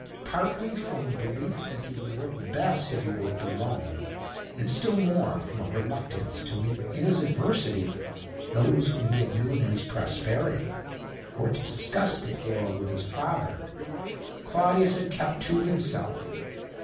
Partly from the belief that he would work best if he worked alone, and still more from a reluctance to meet in his adversity those whom he had known in his prosperity, or to discuss the quarrel with his father, Claudius had kept to himself.